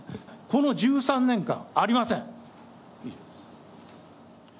この１３年間、ありません。